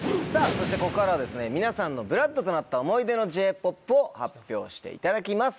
そしてここからは皆さんのＢＬＯＯＤとなった思い出のＪ−ＰＯＰを発表していただきます。